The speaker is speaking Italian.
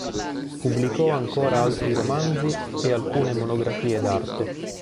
Pubblicò ancora altri romanzi e alcune monografie d'arte.